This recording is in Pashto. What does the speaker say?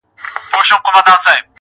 ډېر پخوا د نیل پر غاړه یو قاتل وو-